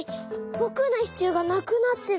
ぼくのシチューがなくなってる！」。